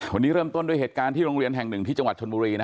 หลวงนี้เริ่มต้นด้วยเหตุการณ์ในองค์เรียนแห่ง๐๑ที่จังหวัดชนบุรีนะฮะ